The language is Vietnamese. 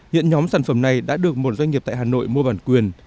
hiện nhóm sản phẩm này đã được một doanh nghiệp tại hà nội mua bản quyền